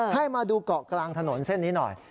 ให้มาดูเกาะกลางถนนเส้นนี้หน่อย